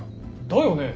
だよね！